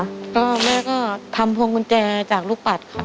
แล้วก็แม่ก็ทำพวงกุญแจจากลูกปัดค่ะ